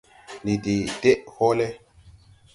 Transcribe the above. Ndi de deʼ hɔɔlɛ.